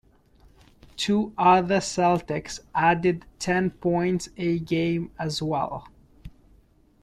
Two other Celtics added ten points a game as well.